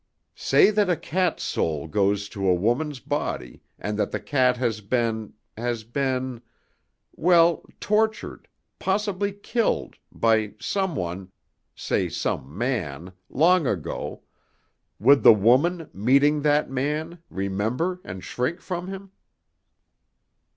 Say that a cat's soul goes to a woman's body, and that the cat has been has been well, tortured possibly killed, by someone say some man, long ago, would the woman, meeting that man, remember and shrink from him?"